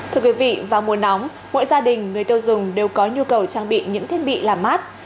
thưa quý vị vào mùa nóng mỗi gia đình người tiêu dùng đều có nhu cầu trang bị những thiết bị làm mát